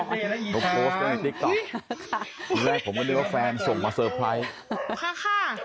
ผมก็เรียกว่าแฟนส่งมาเซอร์ไพรส์